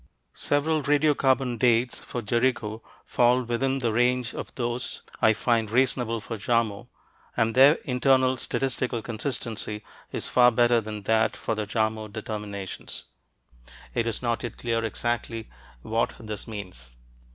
Several radiocarbon "dates" for Jericho fall within the range of those I find reasonable for Jarmo, and their internal statistical consistency is far better than that for the Jarmo determinations. It is not yet clear exactly what this means.